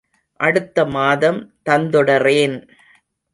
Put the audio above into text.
அடுத்த மாதம் தந்துடறேன்.